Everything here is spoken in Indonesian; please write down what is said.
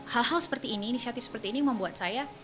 hal hal seperti ini inisiatif seperti ini membuat saya